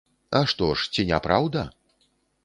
А што ж, ці не праўда?